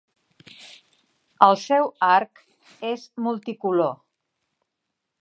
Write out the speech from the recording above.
El seu arc és multicolor.